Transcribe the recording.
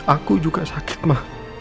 aku juga sakit ma